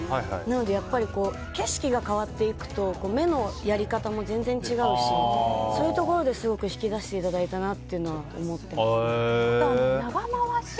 なのでやっぱり景色が変わっていくと目のやり方も全然違うしそういうところですごく引き出していただいたなというのは思っていますね。